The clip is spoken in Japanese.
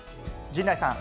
陣内さん。